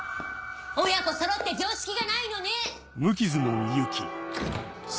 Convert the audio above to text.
親子そろって常識がないのね！